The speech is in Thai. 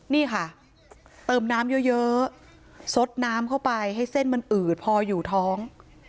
นี่ค่ะเติมน้ำเยอะซดน้ำเข้าไปให้เส้นมันอืดพออยู่ท้อง